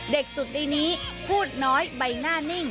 เด็กสุดดีนี้พูดน้อยใบหน้านิ่ง